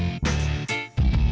semoga kau selalu theo lama